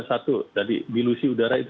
satu jadi dilusi udara itu